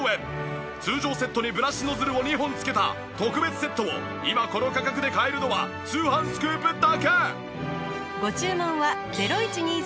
通常セットにブラシノズルを２本付けた特別セットを今この価格で買えるのは『通販スクープ』だけ。